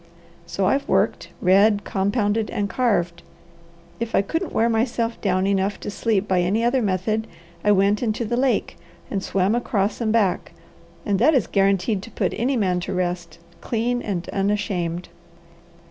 So I've worked, read, compounded, and carved. If I couldn't wear myself down enough to sleep by any other method, I went into the lake, and swam across and back; and that is guaranteed to put any man to rest, clean and unashamed."